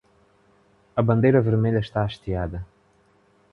A bandeira vermelha está hasteada